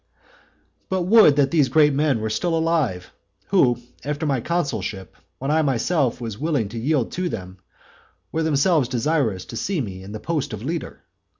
VII. Would that those great men were still alive, who, after my consulship, when I myself was willing to yield to them, were themselves desirous to see me in the post of leader.